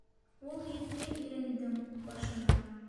Ул етте ирендең башына!